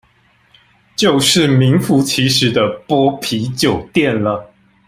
就是名符其實的剝皮酒店了